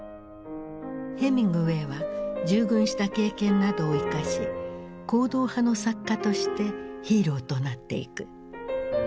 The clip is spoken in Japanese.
ヘミングウェイは従軍した経験などを生かし行動派の作家としてヒーローとなっていく。